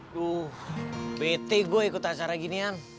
duh bett gue ikut acara ginian